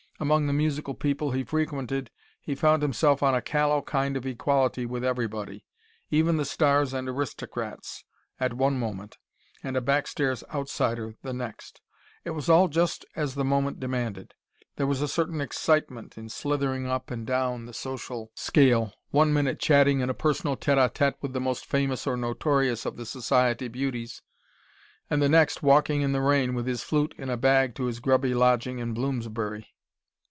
Among the musical people he frequented, he found himself on a callow kind of equality with everybody, even the stars and aristocrats, at one moment, and a backstairs outsider the next. It was all just as the moment demanded. There was a certain excitement in slithering up and down the social scale, one minute chatting in a personal tete a tete with the most famous, or notorious, of the society beauties: and the next walking in the rain, with his flute in a bag, to his grubby lodging in Bloomsbury.